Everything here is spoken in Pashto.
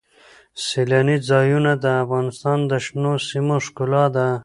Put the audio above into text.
سیلاني ځایونه د افغانستان د شنو سیمو ښکلا ده.